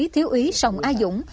thiếu ý sòng a dũng